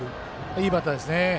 いいバッターですね。